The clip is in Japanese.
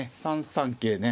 ３三桂ね。